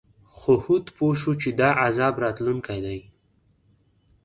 خو هود پوه شو چې دا عذاب راتلونکی دی.